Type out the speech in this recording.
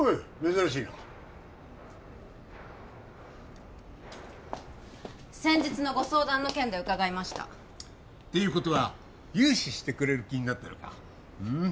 珍しいな先日のご相談の件で伺いましたっていうことは融資してくれる気になったのかうん？